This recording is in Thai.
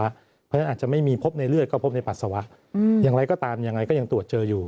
เพราะฉะนั้นอาจจะไม่มีพบในเลือดก็พบในปัสสาวะอย่างไรก็ตามยังไงก็ยังตรวจเจออยู่